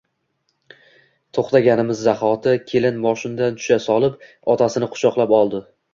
To‘xtaganimiz zahoti, kelin moshindan tusha solib, otasini quchoqlab oldi.